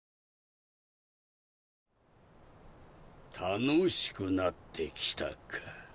「楽しくなってきた」か。